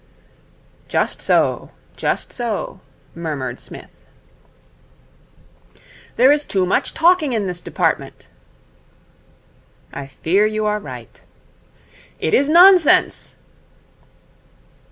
'Just so, just so,' murmured Psmith. 'There is too much talking in this department.' 'I fear you are right.' 'It is nonsense.'